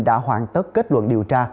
đã hoàn tất kết luận điều tra